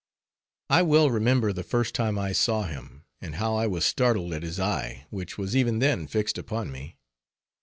I well remember the first time I saw him, and how I was startled at his eye, which was even then fixed upon me.